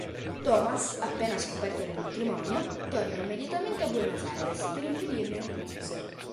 Tomas, appena scoperto del matrimonio, torna immediatamente a Buenos Aires, per impedirne le nozze.